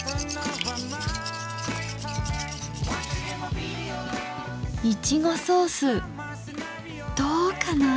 いちごソースどうかな？